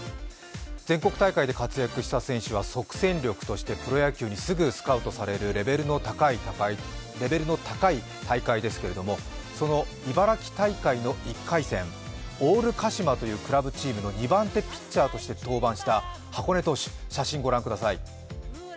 全国大会で活躍した選手は即戦力としてプロ野球にすぐスカウトされるレベルの高い大会ですけれども、その茨城大会の１回戦オールカシマというチームの２番手ピッチャーとして登板したはこね投手、写真ご覧ください。